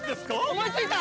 思いついた！